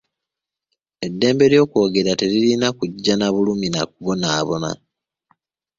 Eddembe ly'okwogera teririna kujja na bulumi na kubonaabona.